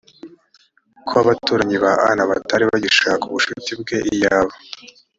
ko abaturanyi ba anna batari bagishaka ubushuti bwe iyaba